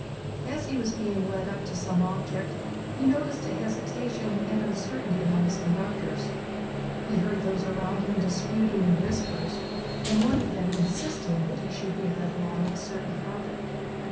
As he was being led up to some object he noticed a hesitation and uncertainty among his conductors. He heard those around him disputing in whispers and one of them insisting that he should be led along a certain carpet.